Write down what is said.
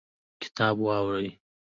کتاب واوړوئ